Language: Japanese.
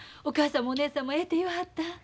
お母さんもお姉さんもええて言わはった？